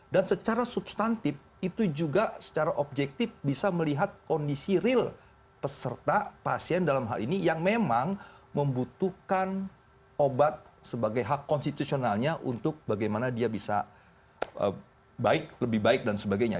dan secara substantif itu juga secara objektif bisa melihat kondisi real peserta pasien dalam hal ini yang memang membutuhkan obat sebagai hak konstitusionalnya untuk bagaimana dia bisa lebih baik dan sebagainya